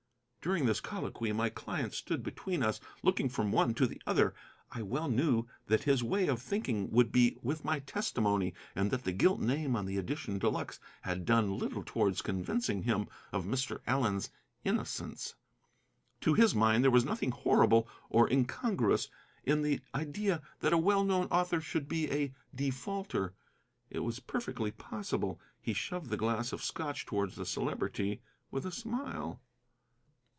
During this colloquy my client stood between us, looking from one to the other. I well knew that his way of thinking would be with my testimony, and that the gilt name on the edition de luxe had done little towards convincing him of Mr. Allen's innocence. To his mind there was nothing horrible or incongruous in the idea that a well known author should be a defaulter. It was perfectly possible. He shoved the glass of Scotch towards the Celebrity, with a smile.